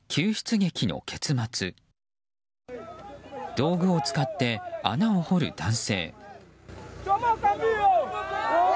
道具を使って穴を掘る男性。